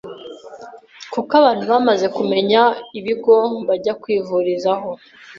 kuko abantu bamaze kumenya ibigo bajya kwivurizaho.”